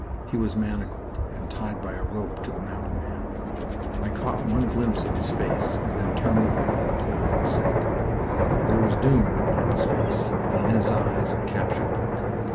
He was manacled, and tied by a rope to the mounted man. I caught one glimpse of his face, and then turned away, cold and sick. There was doom written on his face, and in his eyes a captured look.